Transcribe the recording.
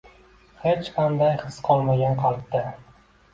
Xech qanday xis qolmagan qalbda